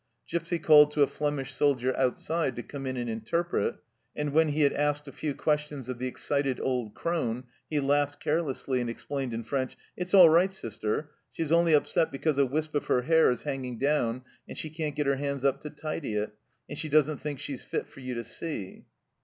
Gipsy called to a Flemish soldier outside to come in and interpret, and when he had asked a few questions of the excited old crone he laughed carelessly, and explained in French :" It's all right, Sister ; she is only upset because a wisp of her hair is hanging down and she can't get her hands up to tidy it, and she doesn't think she's fit for you to see."